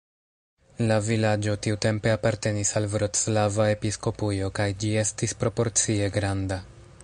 La vilaĝo tiutempe apartenis al vroclava episkopujo kaj ĝi estis proporcie granda.